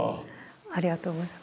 ありがとうございます。